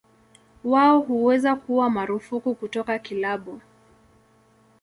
Wao huweza kuwa marufuku kutoka kilabu.